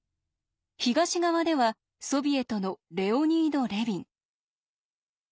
東側ではソビエトのレオニード・レビン。